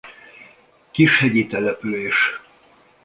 Kis hegyi település.